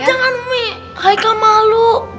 jangan umi haikal malu